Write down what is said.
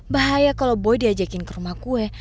bahaya kalau boy diajakin ke rumah gue